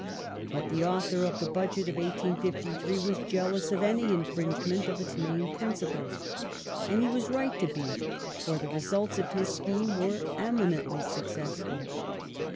But the author of the Budget of 1853 was jealous of any infringement of its main principles. And he had a right to be, for the results of his scheme were eminently successful.